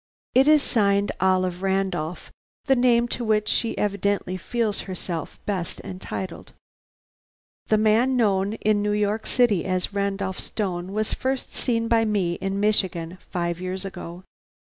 It is signed Olive Randolph; the name to which she evidently feels herself best entitled. "The man known in New York City as Randolph Stone was first seen by me in Michigan five years ago.